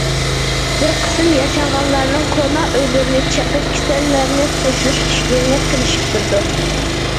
بىر قىسىم ياشانغانلارنىڭ كونا ئۆيلىرىنى چېقىش، كېسەكلىرىنى توشۇش ئىشلىرىنى قىلىشىپ بېرىپتۇ.